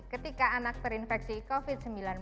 ketika anak terinfeksi covid sembilan belas